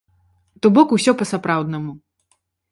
То бок усё па-сапраўднаму.